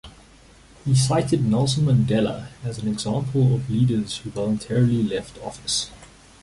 He cited Nelson Mandela as an example of leaders who voluntarily left office.